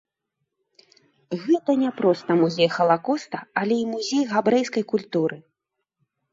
Гэта не проста музей халакоста, але і музей габрэйскай культуры.